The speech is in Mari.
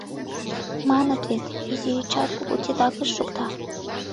Маныт вет: изи ӱчат кугу титакыш шукта.